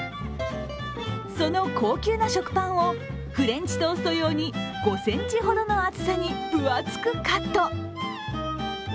その高級な食パンをフレンチトースト用に５ｃｍほどの厚さに分厚くカット。